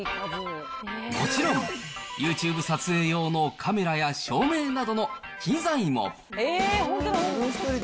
もちろん、ユーチューブ撮影用のカメラや照明などの機材も。